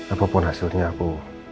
apapun hasilnya aku